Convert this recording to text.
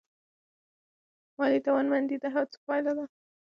مالي توانمندي د هڅو پایله ده.